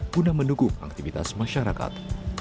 guna mendukung aktivitas masyarakat